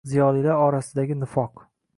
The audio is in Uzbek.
Ziyolilar orasidagi nifoq